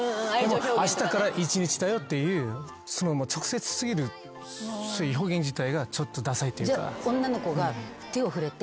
「あしたから１日だよ」っていう直接過ぎる表現自体がちょっとダサいっていうか。